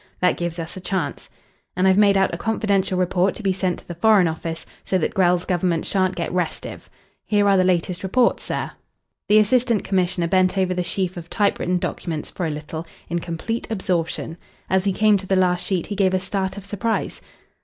That gives us a chance. And I've made out a confidential report to be sent to the Foreign Office, so that Grell's Government shan't get restive. Here are the latest reports, sir." The Assistant Commissioner bent over the sheaf of typewritten documents for a little in complete absorption. As he came to the last sheet he gave a start of surprise.